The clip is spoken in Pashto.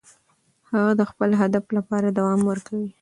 هغه د خپل هدف لپاره دوام ورکوي.